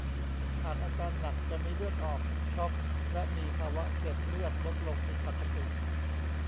หากอาการหนักจะมีเลือดออก ช็อก และมีภาวะเกล็ดเลือดลดลงผิดปกติ